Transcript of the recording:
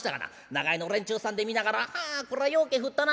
長屋の連中さんで見ながら『はあこらようけ降ったな』